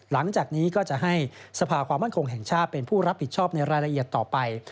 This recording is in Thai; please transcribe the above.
หลังจากนี้ก็จะให้สภาความมั่นคงแห่งชาติเป็นผู้รับผิดชอบในรายละเอียดต่อไป